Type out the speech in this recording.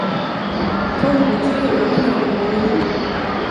Tom är tre år yngre än Maria.